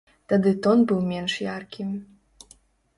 Тады тон быў менш яркі.